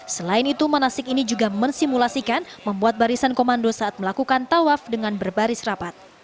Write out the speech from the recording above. selain itu manasik ini juga mensimulasikan membuat barisan komando saat melakukan tawaf dengan berbaris rapat